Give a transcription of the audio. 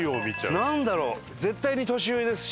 なんだろう絶対に年上ですし。